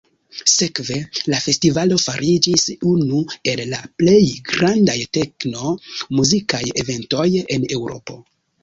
Sekve la festivalo fariĝis unu el la plej grandaj tekno-muzikaj eventoj en Eŭropo.